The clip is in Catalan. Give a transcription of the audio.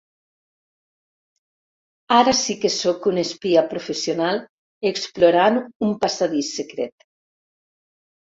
Ara sí que sóc una espia professional explorant un passadís secret.